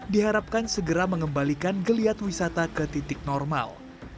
diharapkan segera mengembalikan geliat wisata ke titik normal